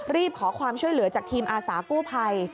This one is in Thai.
ขอความช่วยเหลือจากทีมอาสากู้ภัย